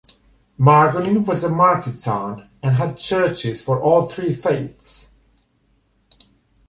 Margonin was a market town, and had churches for all three faiths.